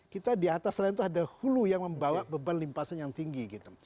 kita di atas lain itu ada hulu yang membawa beban limpasan yang tinggi gitu